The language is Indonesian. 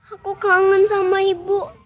aku kangen sama ibu